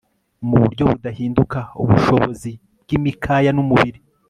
mu buryo budahinduka ubushobozi bwimikaya numubiri